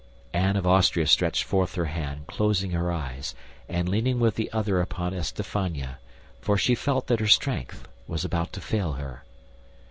Anne of Austria stretched forth her hand, closing her eyes, and leaning with the other upon Estafania, for she felt that her strength was about to fail her.